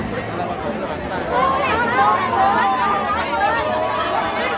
สวัสดีครับ